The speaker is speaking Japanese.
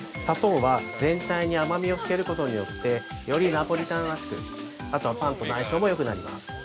砂糖は、全体に甘みをつけることによって、よりナポリタンらしく、あとはパンとの相性もよくなります。